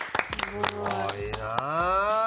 すごいなあ！